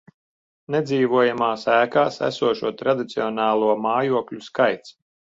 Nedzīvojamās ēkās esošo tradicionālo mājokļu skaits